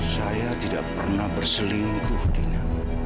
saya tidak pernah berselingkuh dengan